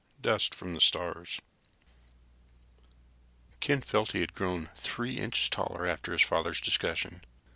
Dust from the Stars Ken felt he had grown 3 inches taller after his father's discussion.